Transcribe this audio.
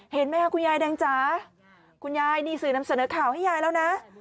เห็นไหมคะคุณยายแดงจ๋าคุณยายนี่สื่อนำเสนอข่าวให้ยายแล้วนะ